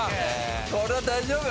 これは大丈夫。